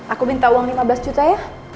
aku minta uang lima belas juta ya